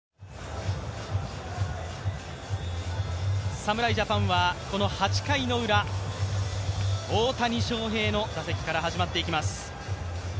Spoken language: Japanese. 侍ジャパンはこの８回ウラ、大谷翔平の打席から始まっていきます。